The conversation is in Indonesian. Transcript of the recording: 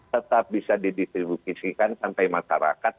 tetap bisa didistribusikan sampai masyarakat